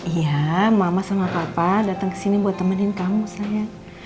iya mama sama papa datang kesini buat temenin kamu sayang